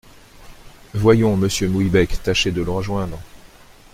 Voyons… monsieur Mouillebec… tâchez de le rejoindre !